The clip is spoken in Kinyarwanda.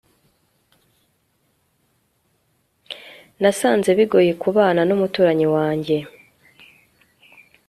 nasanze bigoye kubana n'umuturanyi wanjye